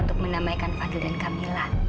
untuk menamaikan fadil dan camilla